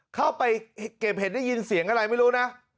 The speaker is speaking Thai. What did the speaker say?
เข้าไปเก็บเห็นได้ยินเสียงอะไรไม่รู้นะ